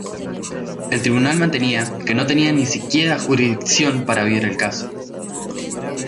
El tribunal mantenía que no tenía ni siquiera jurisdicción para oír el caso.